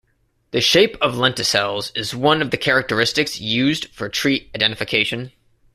The shape of lenticels is one of the characteristics used for tree identification.